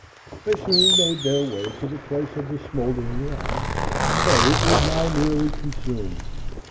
They soon made their way to the place of the smouldering log, but it was now nearly consumed.